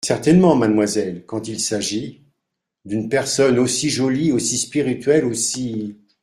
Certainement, mademoiselle… quand il s’agit… d’une personne aussi jolie, aussi spirituelle, aussi…